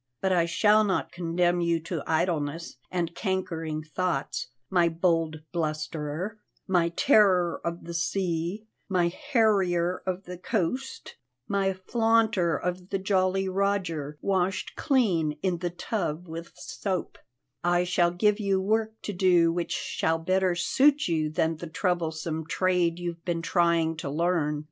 But I shall not condemn you to idleness and cankering thoughts, my bold blusterer, my terror of the sea, my harrier of the coast, my flaunter of the Jolly Roger washed clean in the tub with soap; I shall give you work to do which shall better suit you than the troublesome trade you've been trying to learn.